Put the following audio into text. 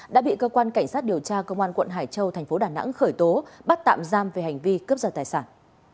đã bị cơ quan cảnh sát điều tra công an quận hải châu thành phố đà nẵng khởi tố bắt tạm giam về hành vi cướp giật tài sản